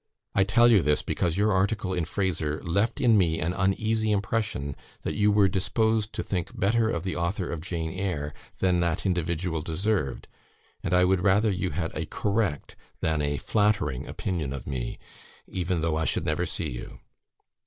I tell you this, because your article in Frazer left in me an uneasy impression that you were disposed to think better of the author of 'Jane Eyre' than that individual deserved; and I would rather you had a correct than a flattering opinion of me, even though I should never see you.